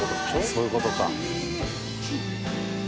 そういうことか。